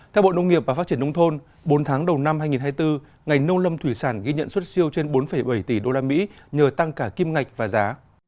theo bộ nông nghiệp và phát triển nông thôn bốn tháng đầu năm hai nghìn hai mươi bốn ngành nông lâm thủy sản ghi nhận xuất siêu trên bốn bảy tỷ usd nhờ tăng cả kim ngạch và giá